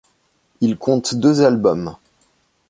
Il compte deux albums.